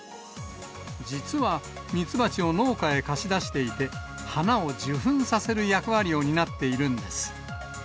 実は、ミツバチを農家へ貸し出していて、花を受粉させる役割を担っているんです。